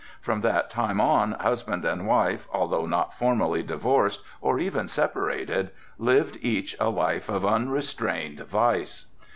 From that time on husband and wife, although not formally divorced or even separated, lived each a life of unrestrained vice.